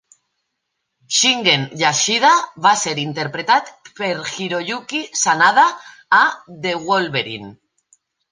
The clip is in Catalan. Shingen Yashida va ser interpretat per Hiroyuki Sanada a "The Wolverine".